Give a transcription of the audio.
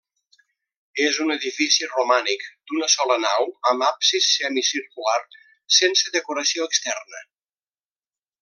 És un edifici romànic d'una sola nau amb absis semicircular sense decoració externa.